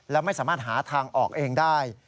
และไม่สามารถหาทางออกเองได้